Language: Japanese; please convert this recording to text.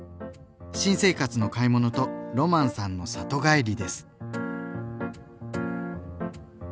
新生活の買い物とロマンさんの里帰りです。